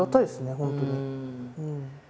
本当に。